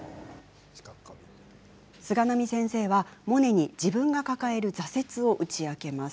菅波先生はモネに自分が抱える挫折を打ち明けます。